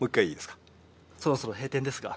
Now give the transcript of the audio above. そろそろ閉店ですが。